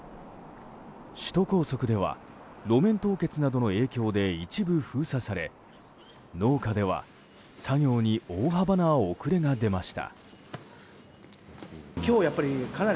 首都高速では路面凍結などの影響で一部封鎖され農家では作業に大幅な遅れが出ました。